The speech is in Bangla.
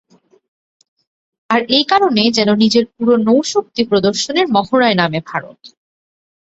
আর এ কারণেই যেন নিজের পুরো নৌশক্তি প্রদর্শনের মহড়ায় নামে ভারত।